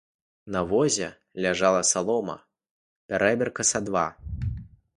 На возе ляжала салома, пярэбірка са два.